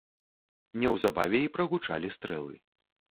Неўзабаве і прагучалі стрэлы.